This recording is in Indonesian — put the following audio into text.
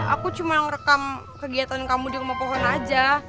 aku cuma merekam kegiatan kamu di rumah pohon aja